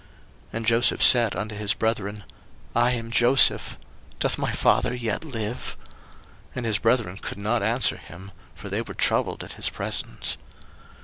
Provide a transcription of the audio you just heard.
01:045:003 And Joseph said unto his brethren, I am Joseph; doth my father yet live? And his brethren could not answer him; for they were troubled at his presence.